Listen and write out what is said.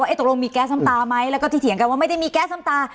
ตกลงมีแก๊สน้ำตาไหมแล้วก็ที่เถียงกันว่าไม่ได้มีแก๊สน้ำตา